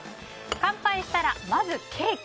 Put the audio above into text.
乾杯したら、まずケーキ。